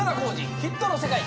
ヒットの世界』。